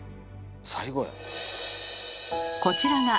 最後や。